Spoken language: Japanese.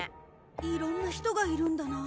いろんな人がいるんだな。